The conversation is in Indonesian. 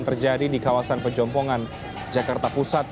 terjadi di kawasan pejompongan jakarta pusat